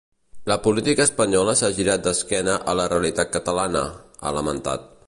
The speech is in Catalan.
La política espanyola s’ha girat d’esquena a la realitat catalana, ha lamentat.